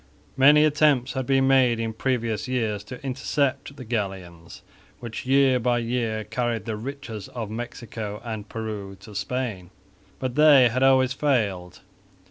Many attempts had been made in previous years to intercept the galleons, which year by year carried the riches of Mexico and Peru to Spain, but they had always failed.